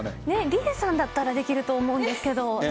理恵さんだったらできると思うんですけど。